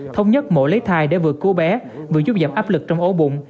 thông nhất mổ lấy thai để vừa cứu bé vừa giúp giảm áp lực trong ố bụng